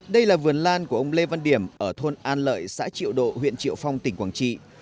đây là vườn lan của ông lê văn điểm ở thôn an lợi xã triệu độ huyện triệu phong tỉnh quảng trị